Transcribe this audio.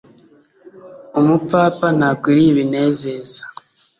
umupfapfa ntakwiriye ibinezeza,